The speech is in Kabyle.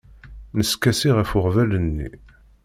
Neskasi ɣef uɣbel-nni.